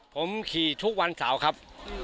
ผมขี่ทุกวันเสาร์ครับ